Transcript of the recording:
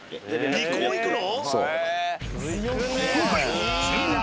尾行いくの？